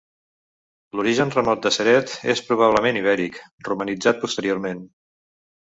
L'origen remot de Ceret és probablement ibèric, romanitzat posteriorment.